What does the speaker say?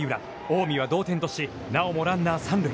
近江は同点とし、なおもランナー三塁。